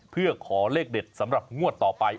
เพื่อขอเลขเด็ดสำหรับงวดต่อไป